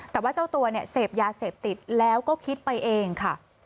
แต่ว่าเจ้าตัวเนี่ยเสพยาเสพติดแล้วก็คิดไปเองค่ะ